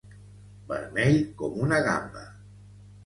Vermell com una gamba.